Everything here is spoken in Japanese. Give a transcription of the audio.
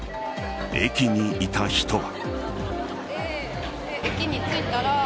駅にいた人は。